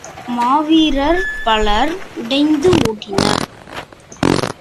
மாவீரர் பலர் உடைந்து ஓடினர்.